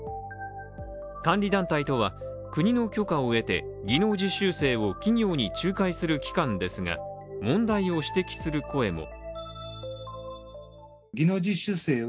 監理団体とは、国の許可を得て技能実習生を企業に仲介する機関ですが問題を指摘する声も。